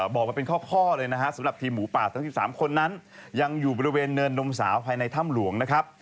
บอกมาเป็นข้อเลยนะฮะสำหรับทีมหมูป่าทั้ง๑๓คนนั้นยังอยู่บริเวณเนินนมสาวภายในถ้ำหลวงนะครับ